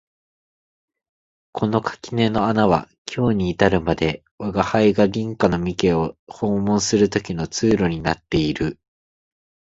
この垣根の穴は今日に至るまで吾輩が隣家の三毛を訪問する時の通路になっている